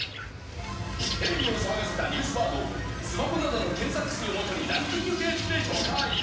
テレビを騒がせたニュースワードをスマホなどの検索数をもとにランキング形式で紹介。